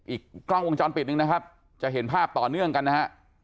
อีกกล้องวงจรปิดนึงนะครับจะเห็นภาพต่อเนื่องกันนะฮะ